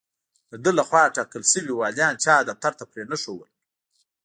د ده له خوا ټاکل شوي والیان چا دفتر ته پرې نه ښودل.